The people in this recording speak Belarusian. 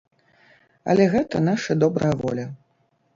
Але гэта наша добрая воля.